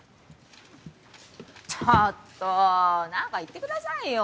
ちょっと何か言ってくださいよ。